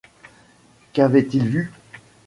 Qu’avait-il vu ?